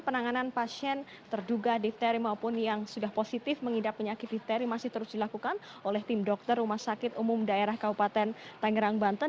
penanganan pasien terduga difteri maupun yang sudah positif mengidap penyakit difteri masih terus dilakukan oleh tim dokter rumah sakit umum daerah kabupaten tangerang banten